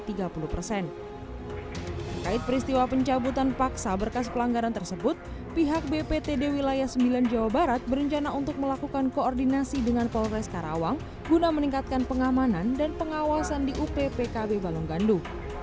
terkait peristiwa pencabutan paksa berkas pelanggaran tersebut pihak bptd wilayah sembilan jawa barat berencana untuk melakukan koordinasi dengan polres karawang guna meningkatkan pengamanan dan pengawasan di uppkb balong gandu